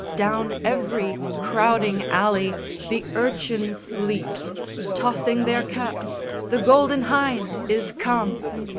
Down every crowding alley the urchins leaped Tossing their caps, the Golden Hynde is come!